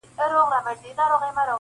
ادب کي دا کيسه ژوندۍ ده,